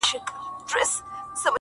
ډیري مو په هیله د شبقدر شوګیرۍ کړي.!